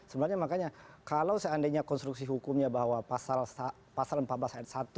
sebenarnya makanya kalau seandainya konstruksi hukumnya bahwa pasal empat belas ayat satu